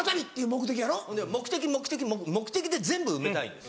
目的目的目的目的で全部埋めたいんですよ。